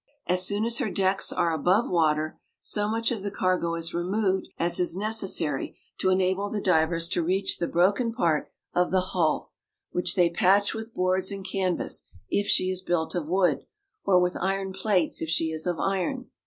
As soon as her decks are above water, so much of the cargo is removed as is necessary to enable the divers to reach the broken part of the hull, which they patch with boards and canvas if she is built of wood, or with iron plates if she is of iron.